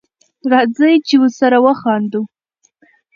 راځی چی سره وخاندو